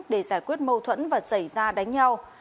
để giải quyết mâu thuẫn và xảy ra đánh nhau